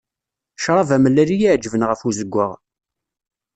Ccrab amellal i y-iεeǧben ɣef uzeggaɣ.